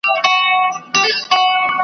سره او شنه یې وزرونه سره مشوکه.